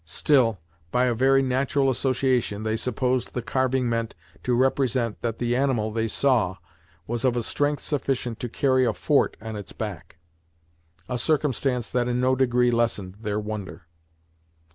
Still, by a very natural association, they supposed the carving meant to represent that the animal they saw was of a strength sufficient to carry a fort on its back; a circumstance that in no degree lessened their wonder.